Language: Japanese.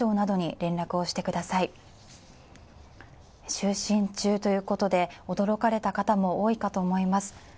就寝中ということで、驚かれた方も多いかと思います。